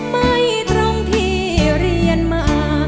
ไม่ตรงที่เรียนมา